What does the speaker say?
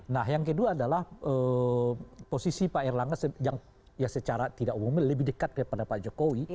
nah yang kedua adalah posisi pak erlangga yang secara tidak umumnya lebih dekat daripada pak jokowi